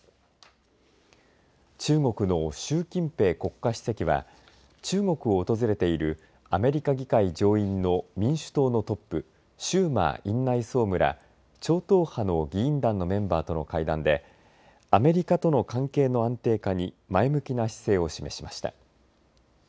中国の習近平国家主席は中国を訪れているアメリカ議会上院の民主党のトップシューマー院内総務ら超党派の議員団のメンバーとの会談でアメリカとの関係の安定化に前向きな姿勢を示しました。